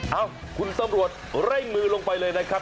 เอ้าคุณตำรวจเร่งมือลงไปเลยนะครับ